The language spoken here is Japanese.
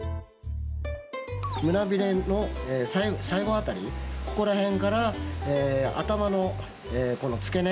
胸びれの最後辺りここら辺から頭のこの付け根。